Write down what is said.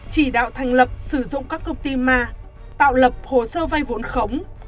chỉ đạo thành lập sử dụng các công ty ma tạo lập hồ sơ vay vốn khống